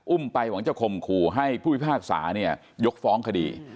ไปหวังจะข่มขู่ให้ผู้พิพากษายกฟ้องคดี